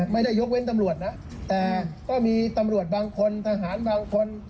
ไม่ได้ยกเว้นตำรวจนะแต่ก็มีตำรวจบางคนทหารบางคน